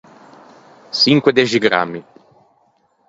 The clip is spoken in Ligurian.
Çinque dexigrammi.